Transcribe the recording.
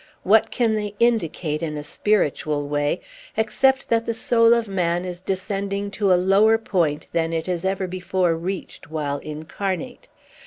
What can they indicate, in a spiritual way, except that the soul of man is descending to a lower point than it has ever before reached while incarnate?